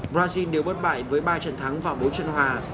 brazil đều bất bại với ba trận thắng và bốn chân hòa